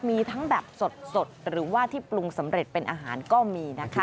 มีทั้งแบบสดหรือว่าที่ปรุงสำเร็จเป็นอาหารก็มีนะคะ